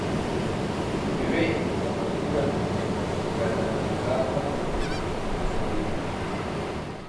Vive en Kamakura, Kanagawa con su marido.